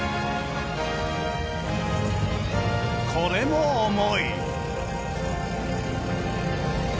これも重い。